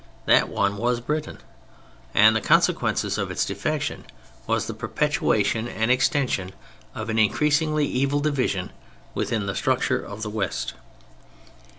That one was Britain. And the consequence of its defection was the perpetuation and extension of an increasingly evil division within the structure of the West.